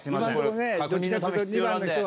確認のため必要なんで。